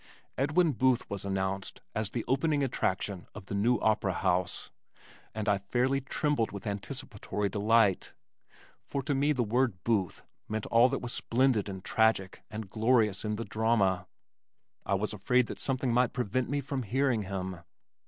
Edwin Booth was announced as "the opening attraction of the New Opera House" and I fairly trembled with anticipatory delight, for to me the word Booth meant all that was splendid and tragic and glorious in the drama. I was afraid that something might prevent me from hearing him.